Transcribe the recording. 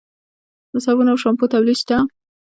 د صابون او شامپو تولید شته؟